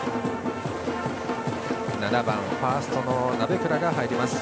７番、ファーストの鍋倉が入ります。